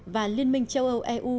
và liên minh châu âu eu